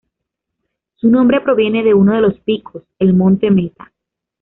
Su nombre proviene de uno de los picos, el Monte Meta.